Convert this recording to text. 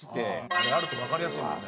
あれあるとわかりやすいもんね。